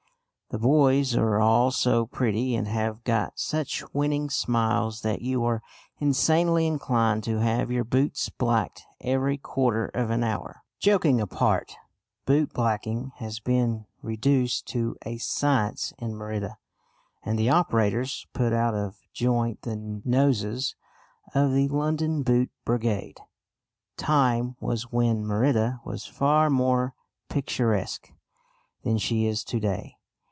The boys are all so pretty and have got such winning smiles that you are insanely inclined to have your boots blacked every quarter of an hour. Joking apart, boot blacking has been reduced to a science in Merida, and the operators put out of joint the noses of the London Boot Brigade. Time was when Merida was far more picturesque than she is to day.